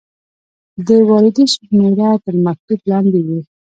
د واردې شمیره تر مکتوب لاندې وي.